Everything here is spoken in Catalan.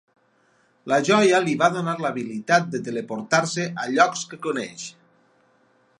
La joia li va donar l'habilitat de teleportar-se a llocs que coneix.